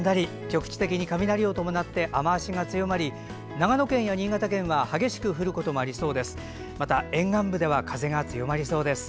局地的に雷を伴って雨足が強まり長野県や新潟県は激しく降ることもありそうです。